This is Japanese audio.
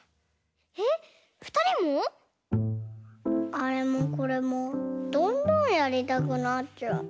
あれもこれもどんどんやりたくなっちゃう。